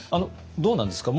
どうなんですか？